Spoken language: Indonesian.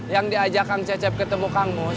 yang diajak kang cecep ketemu kang mus